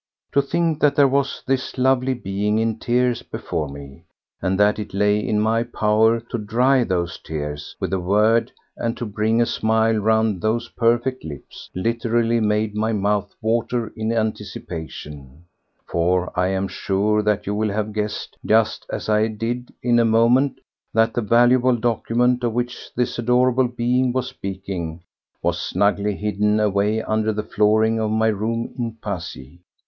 To think that here was this lovely being in tears before me, and that it lay in my power to dry those tears with a word and to bring a smile round those perfect lips, literally made my mouth water in anticipation—for I am sure that you will have guessed, just as I did in a moment, that the valuable document of which this adorable being was speaking, was snugly hidden away under the flooring of my room in Passy.